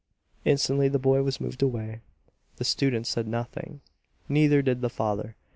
Instantly the boy was moved away. The student said nothing; neither did the father.